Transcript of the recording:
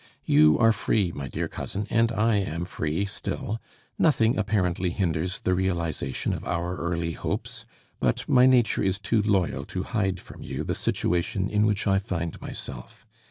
You are free, my dear cousin, and I am free still. Nothing apparently hinders the realization of our early hopes; but my nature is too loyal to hide from you the situation in which I find myself.